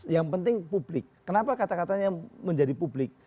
yang penting publik kenapa kata katanya menjadi publik